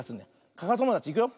かかともだちいくよ。